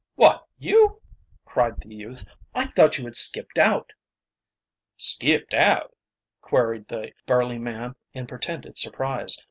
"What, you!" cried the youth. "I thought you had skipped out." "Skipped out?" queried the burly man in pretended surprise.